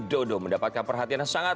dodo mendapatkan perhatian yang sangat